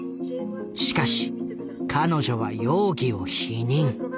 しかし彼女は容疑を否認。